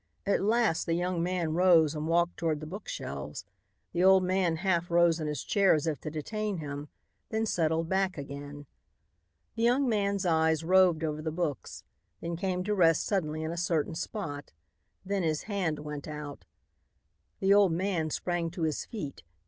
At last the young man rose and walked toward the bookshelves. The old man half rose in his chair as if to detain him, then settled back again. The young man's eyes roved over the books, then came to rest suddenly in a certain spot. Then his hand went out. The old man sprang to his feet.